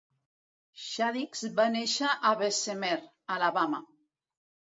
Shadix va néixer a Bessemer (Alabama).